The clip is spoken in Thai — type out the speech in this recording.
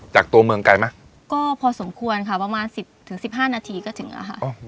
จากตัวเมืองไกลไหมก็พอสมควรค่ะประมาณสิบถึงสิบห้านาทีก็ถึงอะค่ะ